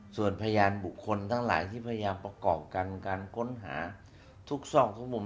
ส่วนพยานบุคคลทั้งหลายที่พยายามประกอบกันการค้นหาทุกซอกทุกมุม